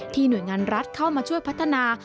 หน่วยงานรัฐเข้ามาช่วยพัฒนา